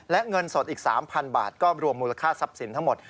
และเงินสดอีก๓๐๐บาทก็รวมมูลค่าทรัพย์สินทั้งหมด